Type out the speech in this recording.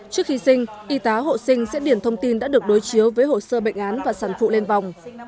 trước khi sinh y tá hộ sinh sẽ điển thông tin đã được đối chiếu với hồ sơ bệnh án và sản phụ lên vòng